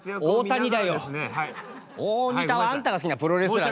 大谷。